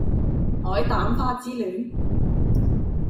海膽花之戀